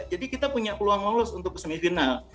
jadi kita punya peluang lolos untuk semifinal